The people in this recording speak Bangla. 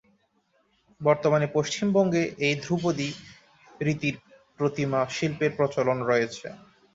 বর্তমানে পশ্চিমবঙ্গে এই দুই ধ্রুপদী রীতির প্রতিমা শিল্পের প্রচলন রয়েছে।